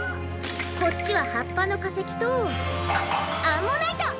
こっちははっぱのかせきとアンモナイト！